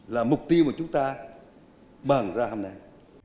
là mục tiêu mà chúng ta bàn ra hôm nay